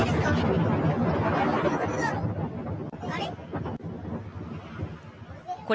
あれ？